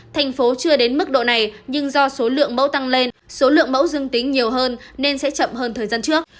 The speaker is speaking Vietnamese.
thành phố chưa đến mức độ này nhưng do số lượng mẫu tăng lên số lượng mẫu dương tính nhiều hơn nên sẽ chậm hơn thời gian trước